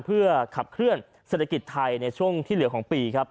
เพื่อขับเคลื่อนเศรษฐกิจไทยในช่วงที่เหลือของปีครับ